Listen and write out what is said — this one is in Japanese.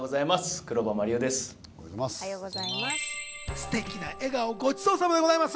ステキな笑顔、ごちそうさまでございます。